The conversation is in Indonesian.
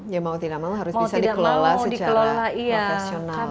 ya mau tidak mau harus bisa dikelola secara profesional